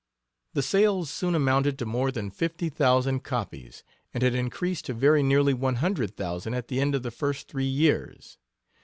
The sales soon amounted to more than fifty thousand copies, and had increased to very nearly one hundred thousand at the end of the first three years.